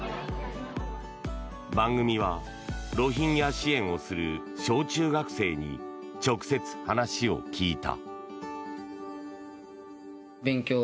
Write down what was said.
番組は、ロヒンギャ支援をする小中学生に直接、話を聞いた。